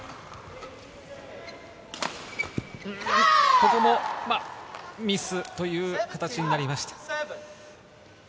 ここもミスという形になりました。